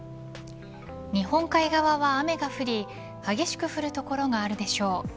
日本海側は雨が降り激しく降る所があるでしょう。